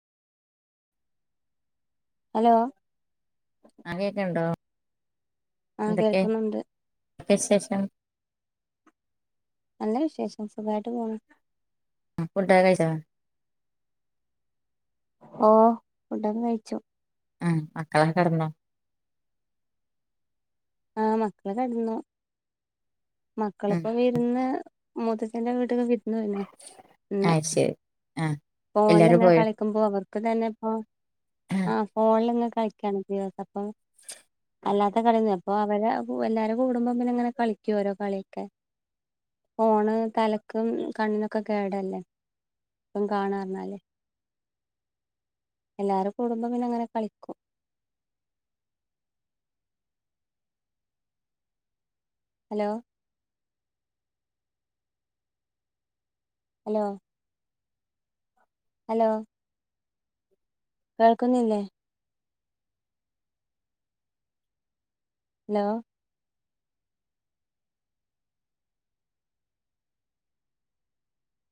Hello. മഴക്കെ ഇണ്ടോ ആ എന്തൊക്കെ കേൾക്കുന്നുണ്ട് എന്തക്കെ വിശേഷം. നല്ല വിശേഷം. സുഖായിട്ട് പോണ്. ആ ഫുഡൊക്കെ കഴിച്ചാ? ഓഹ് ഫുഡൊക്കെ കഴിച്ചു ഉം മക്കളക്കെ കെടന്നോ? ആഹ് മക്കള് കെടന്നു ഉം മക്കളിപ്പോ വിരുന്ന് മൂത്തച്ചന്റെ വീട്ട്ക്ക് വിരു അഹ്ശരി ആഹ് ഫോണില്ങ്ങെനെ കളിക്കുമ്പോ അവർക്കും തന്നെ ഇപ്പോ ആ ഫോണിലിങ്ങനെ കളിക്കാണ് ദിവസം അപ്പൊ അല്ലാത്ത കളിയൊന്നുല്ല അപ്പൊ അവര് എല്ലാരും കൂടുമ്പോം പിന്നെ ഇങ്ങനെ കളിക്കും ഓരോ കളിയൊക്കെ ഫോണ് തലക്കും കണ്ണിനൊക്കെ കേടല്ലേ. കാണാം എന്നാല് എല്ലാരും കൂടുമ്പോ പിന്നെ അങ്ങനെ കളിക്കും. ഹലോ ഹലോ ഹലോ കേൾക്കുന്നില്ലേ? ഹലോ